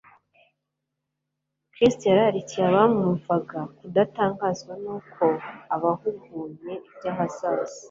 Kristo yararikiye abamwumvaga kudatangazwa nuko abahugunye iby'ahazaza.